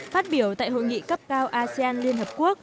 phát biểu tại hội nghị cấp cao asean lhq